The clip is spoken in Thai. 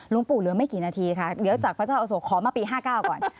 ปู่เหลือไม่กี่นาทีค่ะเดี๋ยวจากพระเจ้าอโศกขอมาปี๕๙ก่อน